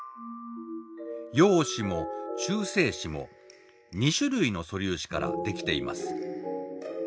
陽子も中性子も２種類の素粒子から出来ています。